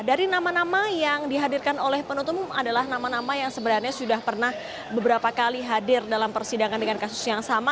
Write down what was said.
dari nama nama yang dihadirkan oleh penutup adalah nama nama yang sebenarnya sudah pernah beberapa kali hadir dalam persidangan dengan kasus yang sama